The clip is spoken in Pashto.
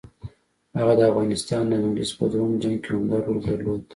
هغه د افغانستان او انګلیس په دوهم جنګ کې عمده رول درلود.